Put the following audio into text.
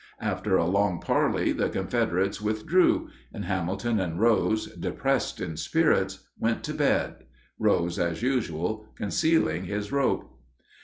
After a long parley the Confederates withdrew, and Hamilton and Rose, depressed in spirits, went to bed, Rose as usual concealing his rope.